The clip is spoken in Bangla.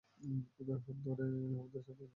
ওদের হাত ধরে আমার সাথে এসো।